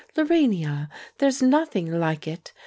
Lorania, there's nothing like it.